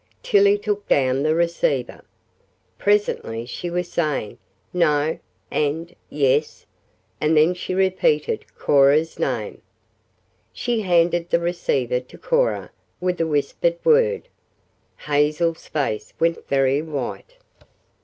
Tillie took down the receiver. Presently she was saying "no" and "yes," and then she repeated Cora's name. She handed the receiver to Cora with a whispered word. Hazel's face went very white.